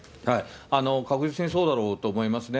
確実にそうだろうと思いますね。